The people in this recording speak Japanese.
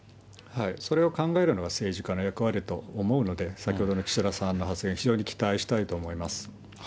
それを考えるのは政治家の役割と思うので、先ほどの岸田さんの発言、非常に期待したいと思います。